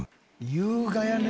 優雅やね。